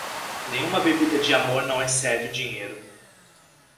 Nenhuma bebida de amor não excede o dinheiro.